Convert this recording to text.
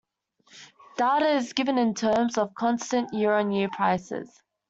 Data is given in terms of constant year-on-year prices.